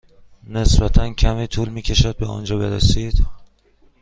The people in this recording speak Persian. نسبتا کمی طول می کشد به آنجا برسید.